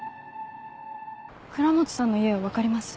倉持さんの家は分かります？